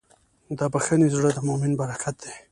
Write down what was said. د بښنې زړه د مؤمن برکت دی.